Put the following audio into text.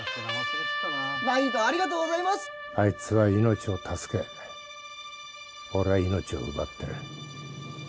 あいつは命を助け俺は命を奪っている。